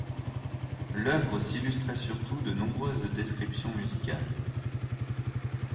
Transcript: L'œuvre s'illustrait surtout de nombreuses descriptions musicales.